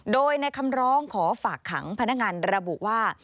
โดยในคำร้องขอฝากขังพนักงานระบุว่า